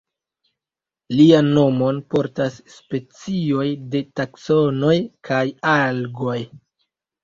Lian nomon portas specioj de Taksonoj kaj Algoj.